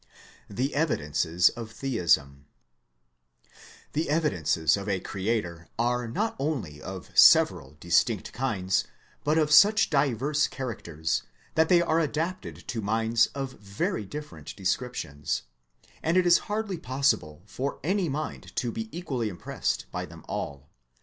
THE EVIDENCES OF THEISM evidences of a Creator are not only of several distinct kinds but of such diverse characters, that they are adapted to minds of very different de scriptions, and it is hardly possible for any mind to be equally impressed by them all.